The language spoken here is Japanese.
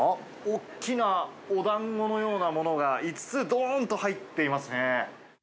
大きなおだんごのようなものが５つ、どんと入っていますね。